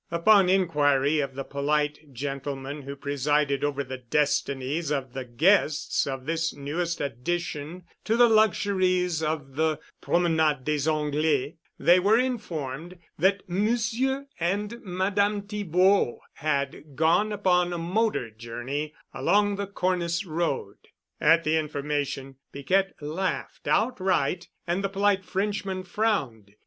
Upon inquiry of the polite gentleman who presided over the destinies of the guests of this newest addition to the luxuries of the Promenade des Anglais, they were informed that Monsieur and Madame Thibaud had gone upon a motor journey along the Cornice Road. At the information, Piquette laughed outright and the polite Frenchman frowned.